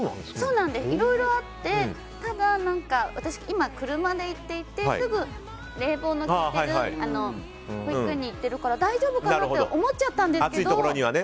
いろいろあってただ私は車で今、行っていてすぐ冷房の効いてる保育園に行ってるから大丈夫かなと思っちゃったんですけど。